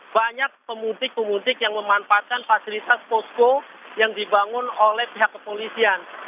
banyak pemudik pemudik yang memanfaatkan fasilitas posko yang dibangun oleh pihak kepolisian